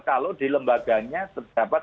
kalau di lembaganya terdapat